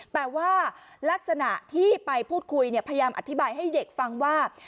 แต่ว่าลักษณะที่ไปพูดคุยพยายามอธิบายให้เด็กฟังว่า